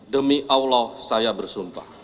demi allah saya bersumpah